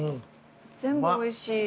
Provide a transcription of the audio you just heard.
全部おいしい。